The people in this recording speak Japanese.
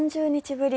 ぶり